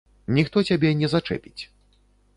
Ніхто цябе не зачэпіць.